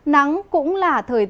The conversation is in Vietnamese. nắng cũng là thời tiết